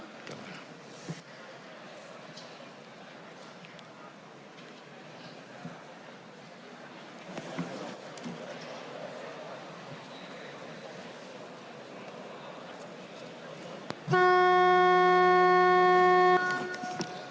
ครับ